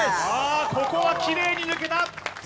ここはきれいに抜けた。